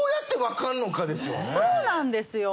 そうなんですよ。